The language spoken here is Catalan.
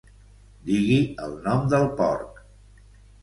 Digui el nom del porc.